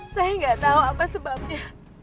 saya gak tau apa sebabnya